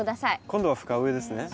今度は深植えですね？